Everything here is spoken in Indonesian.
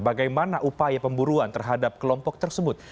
bagaimana upaya pemburuan terhadap kelompok tersebut